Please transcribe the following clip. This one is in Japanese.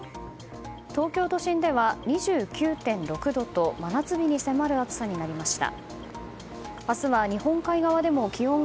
東京都心では２９．６度と真夏日に迫る暑さになりました。